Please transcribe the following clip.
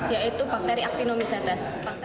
yaitu bakteri actinomycetes